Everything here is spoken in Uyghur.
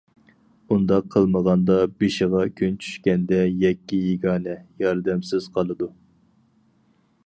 ئۇنداق قىلمىغاندا، بېشىغا كۈن چۈشكەندە يەككە- يېگانە، ياردەمسىز قالىدۇ.